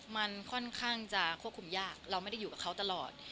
มันค่อนข้างจะควบคุมยากเราไม่ได้อยู่กับเขาตลอด